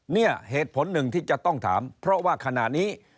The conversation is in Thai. เนี่ยเหตุผลหนึ่งที่จะต้องถามเพราะว่าขณะนี้